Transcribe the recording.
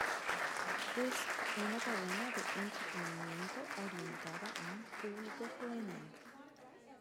Es una cadena de entretenimiento orientada a un público juvenil.